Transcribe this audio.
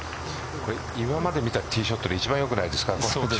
今までのティーショットで一番良くないですか。